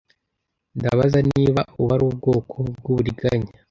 Ndabaza niba ubu ari ubwoko bwuburiganya.